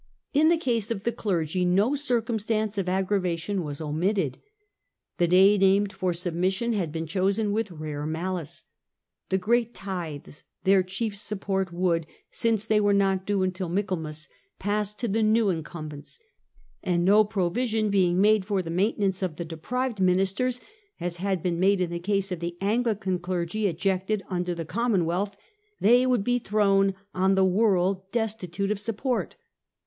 In the case of the clergy no circumstance of aggrava tion was omitted. The day named for submission had „., been chosen with rare malice. The great hardships of tithes, their chief support, would, since they the Act. were not till Michaelmas, pass to the new incumbents ; and, no provision being made for the main tenance of the deprived ministers, as had been made in the case of the Anglican clergy ejected under the Commonwealth, they would be thrown on the world des titute of support.